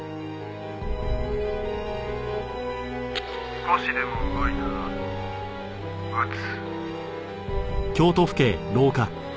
「少しでも動いたら撃つ」